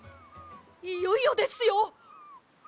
いよいよですよ！